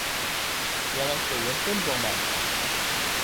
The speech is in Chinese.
原来是文森装扮的。